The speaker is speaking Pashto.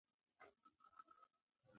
هغوی باید د باران په وخت کې چترۍ وکاروي.